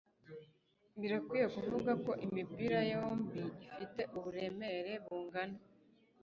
Birakwiye kuvuga ko imipira yombi ifite uburemere bungana